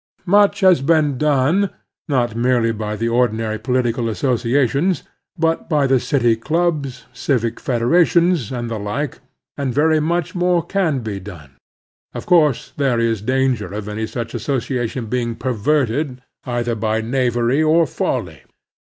Much has been done, not merely by the ordinary political associations, but by the city clubs, civic federations, and the like, and very much more can be done. Of course there is danger of any such association being perverted either by knavery or folly.